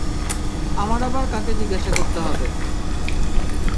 আমার আবার কাকে জিজ্ঞেস করতে হবে?